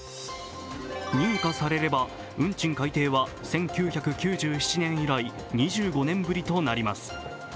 認可されれば、運賃改定は１９９７年以来、２５年ぶりとなります。